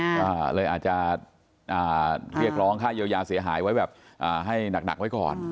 ก็เลยอาจจะเรียกร้องค่าเยียวยาเสียหายไว้แบบให้หนักไว้ก่อน